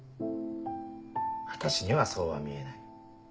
私にはそうは見えない。